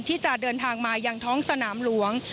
ที่จะเดินทางมายังท้องสนามหลวง